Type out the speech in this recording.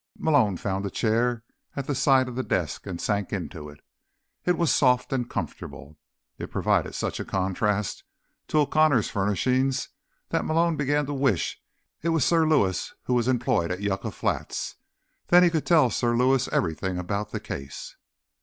Malone found a chair at the side of the desk, and sank into it. It was soft and comfortable. It provided such a contrast to O'Connor's furnishings that Malone began to wish it was Sir Lewis who was employed at Yucca Flats. Then he could tell Sir Lewis everything about the case.